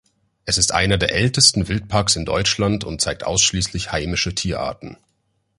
Er ist einer der ältesten Wildparks in Deutschland und zeigt ausschließlich heimische Tierarten.